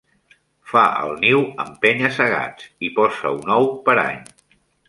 Fa el niu en penya-segats i posa un ou per any.